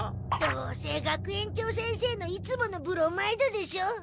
どうせ学園長先生のいつものブロマイドでしょ？